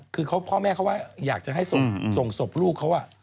คือพ่อแม่เขาว่าอยากจะให้ส่งศพลูกเขา